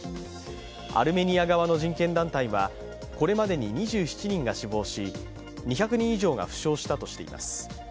アルメニア側の人権団体はこれまでに２７人が死亡し２００人以上が負傷したとしています。